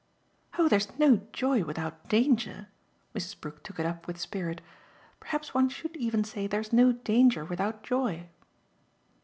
"Oh there's no joy without danger" Mrs. Brook took it up with spirit. "Perhaps one should even say there's no danger without joy."